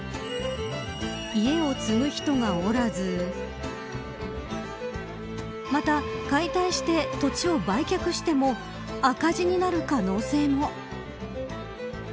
家を継ぐ人がおらずまた解体して土地を売却しても赤字になる可能性も。